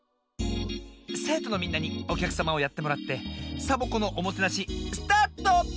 せいとのみんなにおきゃくさまをやってもらってサボ子のおもてなしスタート！